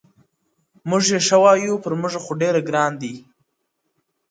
o موږه يې ښه وايو پر موږه خو ډير گران دی ؛